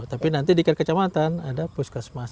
tapi nanti di kecamatan ada puskesmas